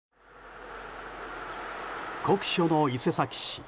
酷暑の伊勢崎市。